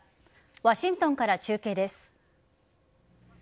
ワシントンから中継です。